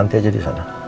nanti aja disana